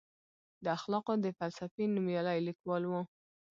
د اخلاقو د فلسفې نوميالی لیکوال و.